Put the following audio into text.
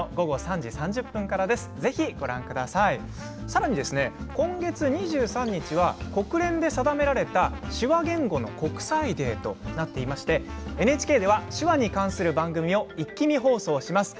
さらに、今月２３日は国連で定められた「手話言語の国際デー」となっておりましてＮＨＫでは、手話に関する番組をイッキ見放送します。